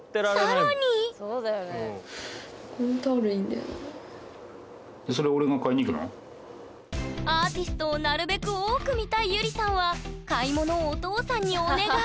更にアーティストをなるべく多く見たいゆりさんは買い物をお父さんにお願い！